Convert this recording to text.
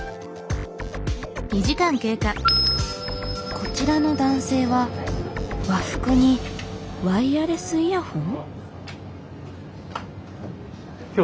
こちらの男性は和服にワイヤレスイヤホン？